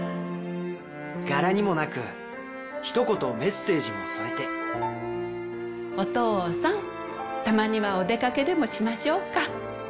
柄にもなくひと言メッセージも添えてお父さんたまにはお出かけでもしましょうか。